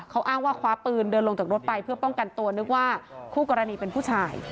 เขาอ้างว่าคว้าปืนเดินลงจากรถไปเพื่อป้องกันตัวนึกว่าคู่กรณีเป็นผู้ชาย